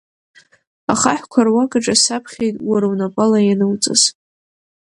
Ахаҳәқәа руак аҿы саԥхьеит уара унапала иануҵаз…